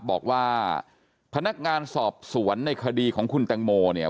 บอกว่าพนักงานสอบสวนในคดีของคุณแตงโมเนี่ย